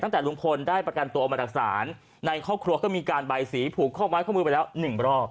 ตั้งแต่ลุงพลได้ประกันตัวออกมาจากศาลในครอบครัวก็มีการใบสีผูกข้อไม้ข้อมือไปแล้วหนึ่งรอบ